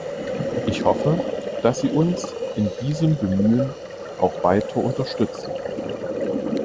Ich hoffe, dass Sie uns in diesem Bemühen auch weiter unterstützen.